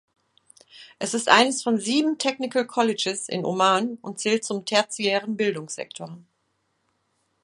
Es ist eines von sieben Technical Colleges in Oman und zählt zum tertiären Bildungssektor.